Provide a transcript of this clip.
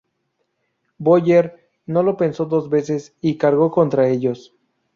Boyer no lo pensó dos veces y cargó contra ellos.